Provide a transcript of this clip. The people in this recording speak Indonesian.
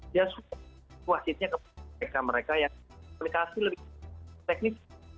ya suatu kewakilannya kepada mereka mereka yang komunikasi lebih teknis